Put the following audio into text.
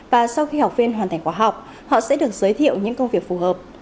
và sau khi học viên hoàn thành quả học họ sẽ được giới thiệu những công việc phù hợp